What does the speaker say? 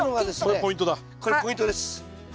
これポイントです。